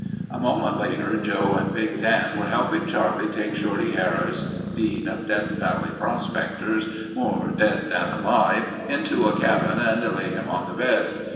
A moment later Joe and Big Dan were helping Charlie take Shorty Harris, dean of Death Valley prospectors, more dead than alive, into a cabin and lay him on the bed.